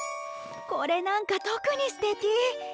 これなんか特にすてき。